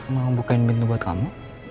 mau bukain pintu buat kamu